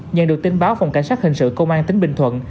nhận được tin báo phòng cảnh sát hình sự công an tỉnh bình thuận